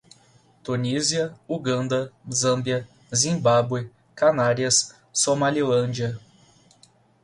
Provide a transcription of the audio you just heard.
Tunísia, Uganda, Zâmbia, Zimbábue, Canárias, Somalilândia